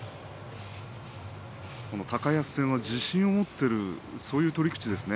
高安戦は自信を持っている、そういう取り口ですね。